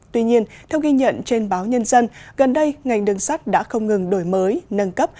tuy nhiên theo ghi nhận trên báo nhân dân gần đây ngành đường sắt đã không ngừng đổi mới nâng cấp